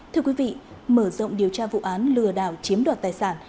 thưa quý vị mở rộng điều tra vụ án lừa đảo chiếm đoạt tài sản